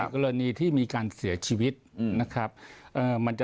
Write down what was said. กรณีที่มีการเสียชีวิตนะครับ